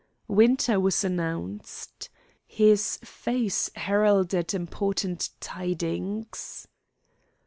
Winter was announced. His face heralded important tidings.